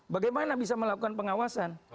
bagaimana bisa melakukan pengawasan